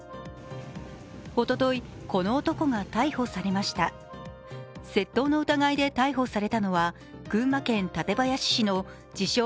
おととい、この男が逮捕されました窃盗の疑いで逮捕されたのは群馬県館林市の自称